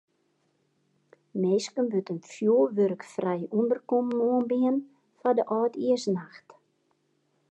Minsken wurdt in fjoerwurkfrij ûnderkommen oanbean foar de âldjiersnacht.